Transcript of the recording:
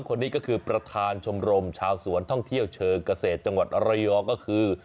คนนี้ก็คือประธานชมรมชาวสวนท่องเที่ยวเชิงเกษตรจังหวัดระยองก็คือ